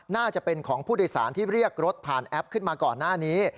น่าจะเป็นของผู้โดยสารที่เรียกรถผ่านแอปขึ้นมาก่อนหน้านี้